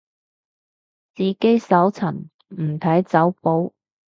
自己搜尋，唔睇走寶